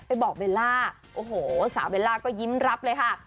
บอกเบลล่าโอ้โหสาวเบลล่าก็ยิ้มรับเลยค่ะ